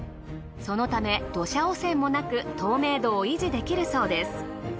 そのため土砂汚染もなく透明度を維持できるそうです。